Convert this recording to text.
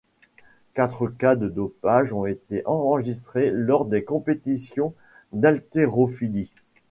Quatre cas de dopage ont été enregistrés lors des compétitions d'haltérophilie.